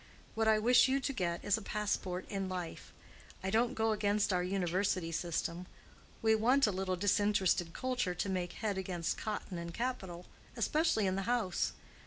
What I wish you to get is a passport in life. I don't go against our university system: we want a little disinterested culture to make head against cotton and capital, especially in the House.